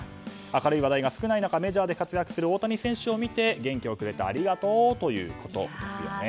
明るい話題が少ない中メジャーで活躍する大谷選手を見て元気をくれてありがとうということですよね。